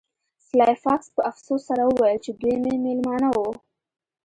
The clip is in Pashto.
سلای فاکس په افسوس سره وویل چې دوی مې میلمانه وو